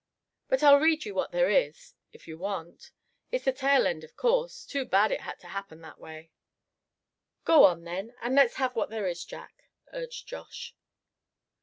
But I'll read you what there is, if you want. It's the tail end, of course. Too bad it had to happen that way." "Go on, then, and let's have what there is, Jack," urged Josh.